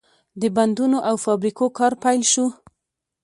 د بندونو او فابریکو کار پیل شو.